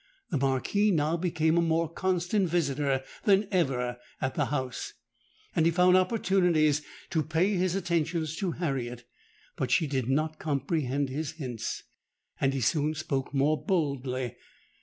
The Marquis now became a more constant visitor than ever at the house; and he found opportunities to pay his attentions to Harriet. But she did not comprehend his hints; and he soon spoke more boldly.